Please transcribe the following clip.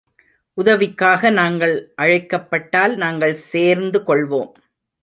உதவிக்காக நாங்கள் அழைக்கப்பட்டால், நாங்கள் சேர்ந்து கொள்வோம்.